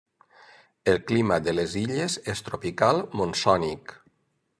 El clima de les illes és tropical monsònic.